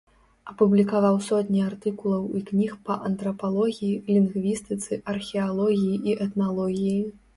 Апублікаваў сотні артыкулаў і кніг па антрапалогіі, лінгвістыцы, археалогіі і этналогіі.